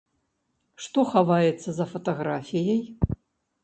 Што хаваецца за фатаграфіяй?